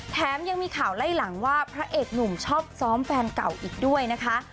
แถมยังมีข่าวไล่หลังว่าพระเอกหนุ่มชอบซ้อมแฟนเก่าอีกด้วยนะคะ